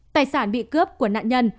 tài sản bị cướp của nạn nhân